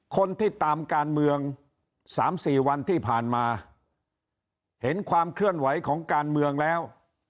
คนที่ตามการเมือง๓๔วันที่ผ่านมาเห็นความเคลื่อนไหวของการเมืองแล้ว